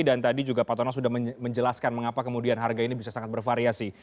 dan tadi juga pak tonal sudah menjelaskan mengapa kemudian harga ini bisa sangat bervariasi